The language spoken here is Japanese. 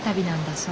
そう。